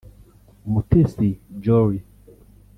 Mutesi Jolly